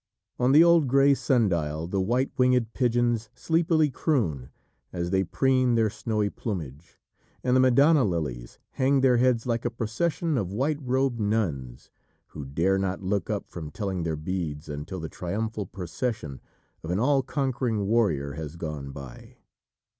On the old grey sundial the white winged pigeons sleepily croon as they preen their snowy plumage, and the Madonna lilies hang their heads like a procession of white robed nuns who dare not look up from telling their beads until the triumphal procession of an all conquering warrior has gone by.